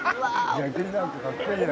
逆になんかかっこいいな」